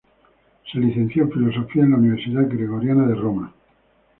Se licenció en Filosofía en la Universidad Gregoriana de Roma.